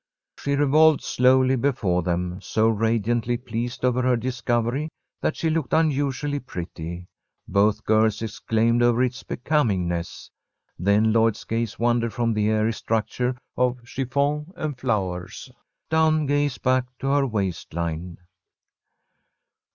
She revolved slowly before them, so radiantly pleased over her discovery that she looked unusually pretty. Both girls exclaimed over its becomingness. Then Lloyd's gaze wandered from the airy structure of chiffon and flowers down Gay's back to her waist line.